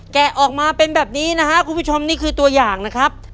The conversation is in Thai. แกะออกมาเป็นแบบนี้นะครับคุณผู้ชมนี่คือตัวอย่างนะครับ